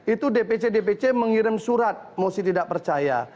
itu dpc dpc mengirim surat mosi tidak percaya